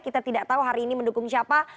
kita tidak tahu hari ini mendukung siapa